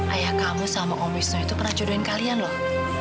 ayah kamu sama om wisnu itu pernah jodohin kalian loh